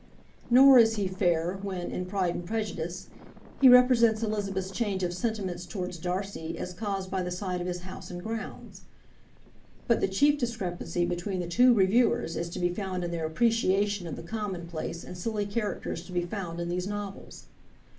Nor is he fair when, in 'Pride and Prejudice,' he represents Elizabeth's change of sentiments towards Darcy as caused by the sight of his house and grounds. But the chief discrepancy between the two reviewers is to be found in their appreciation of the commonplace and silly characters to be found in these novels.